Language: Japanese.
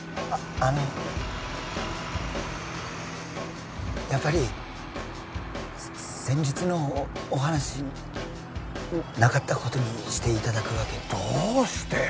あのやっぱり先日のお話なかったことにしていただくわけにどうして！？